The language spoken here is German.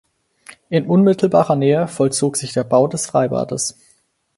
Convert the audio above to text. In unmittelbarer Nähe vollzog sich der Bau des Freibades.